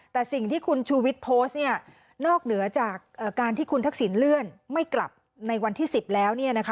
แต่สิ่งที่คุณชูวิทย์โพสต์นอกเหนือจากการที่คุณทักษิณเลื่อนไม่กลับในวันที่๑๐แล้ว